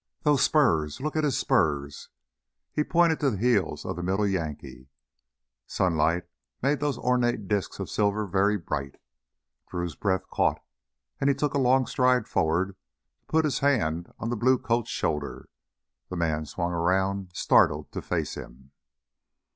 "Those spurs look at his spurs!" He pointed to the heels of the middle Yankee. Sunlight made those ornate disks of silver very bright. Drew's breath caught, and he took a long stride forward to put his hand on the blue coat's shoulder. The man swung around, startled, to face him.